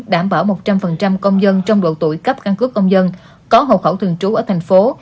đảm bảo một trăm linh công dân trong độ tuổi cấp căn cước công dân có hộ khẩu thường trú ở thành phố